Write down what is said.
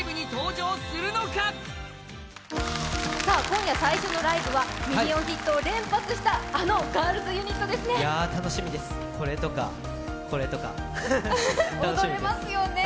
今夜最初のライブはミリオンヒットを連発したあのガールズユニットですね。